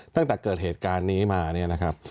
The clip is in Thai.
ตั้งแต่เกิดเหตุการณ์นี้มาเนี่ยนะครับ